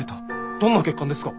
どんな欠陥ですか？